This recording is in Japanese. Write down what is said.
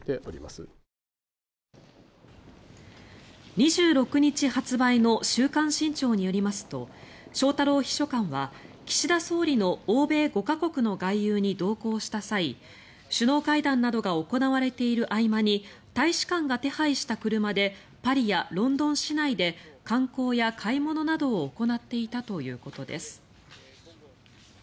２６日発売の週刊新潮によりますと翔太郎秘書官は岸田総理の欧米５か国の外遊に同行した際首脳会談などが行われている合間に大使館が手配した車でパリやロンドン市内で観光や買い物などを行っていたということです。